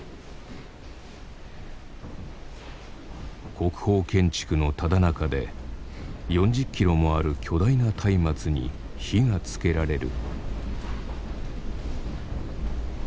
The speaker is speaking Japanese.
国宝建築のただ中で４０キロもある巨大な松明に火がつけられる。